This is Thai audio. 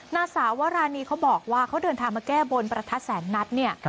สาวรานีเขาบอกว่าเขาเดินทางมาแก้บนประทัดแสนนัดเนี่ย